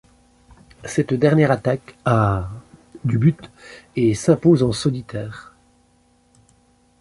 Cette dernière attaque à du but et s'impose en solitaire.